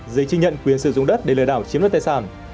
giấy chứng nhận quyền sử dụng đất để lừa đảo chiếm đất tài sản